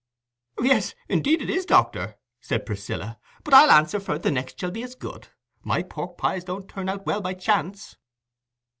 "Yes, indeed, it is, doctor," said Priscilla; "but I'll answer for it the next shall be as good. My pork pies don't turn out well by chance."